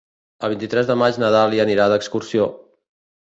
El vint-i-tres de maig na Dàlia anirà d'excursió.